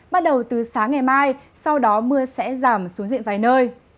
bắt đầu từ sáng ngày mai sau đó mưa sẽ giảm xuống diện vài nơi